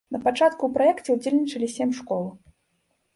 Напачатку ў праекце ўдзельнічалі сем школ.